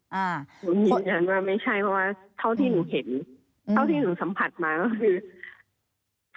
หนูยืนยันว่าไม่ใช่เพราะว่าเท่าที่หนูเห็นเท่าที่หนูสัมผัสมาก็คือ